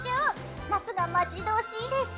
夏が待ち遠しいでしょ？